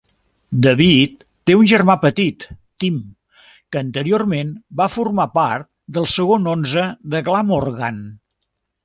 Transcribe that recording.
David té un germà petit, Tim, que anteriorment va formar part del segon onze de Glamorgan.